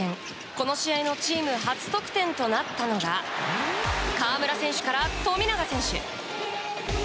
この試合のチーム初得点となったのが河村選手から富永選手。